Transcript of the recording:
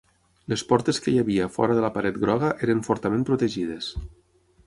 Les portes que hi havia fora de la paret groga eren fortament protegides.